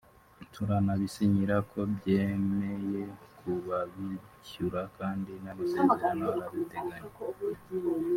turanabisinyira ko mbyemeye ko babishyura kandi n’amasezerano arabiteganya